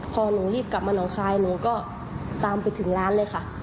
พอหนูรีบกลับมาหนองคายหนูก็ตามไปถึงร้านเลยค่ะ